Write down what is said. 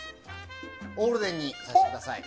オールデンにさせてください。